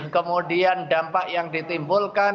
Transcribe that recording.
kemudian dampak yang ditimbulkan